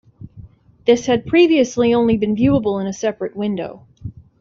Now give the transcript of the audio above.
This had previously only been viewable in a separate window.